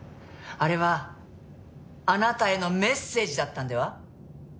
あれはあなたへのメッセージだったんでは？